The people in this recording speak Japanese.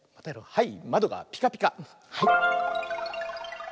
はい。